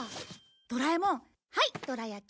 ドラえもんはいどら焼き。